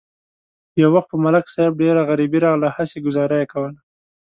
یو وخت په ملک صاحب ډېره غریبي راغله، هسې گذاره یې کوله.